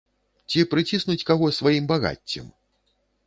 Ці прыціснуць каго сваім багаццем?